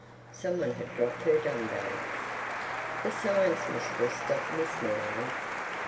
Some one had dropped her dumbbells. The Science Mistress stopped Miss Meadows.